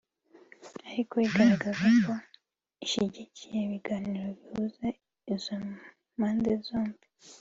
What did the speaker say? ariko igaragaza ko ishyigikiye ibiganiro bihuza izo mpande zombi